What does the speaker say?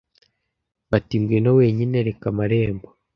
Bati Ngwino wenyine reka amarembo